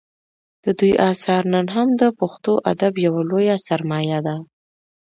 د دوی اثار نن هم د پښتو ادب یوه لویه سرمایه ده